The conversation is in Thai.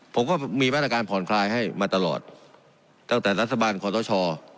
ผมก็มีมาตรการผ่อนคลายให้มาตลอดตั้งแต่รัฐบาลขอสช